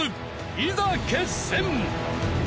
いざ決戦！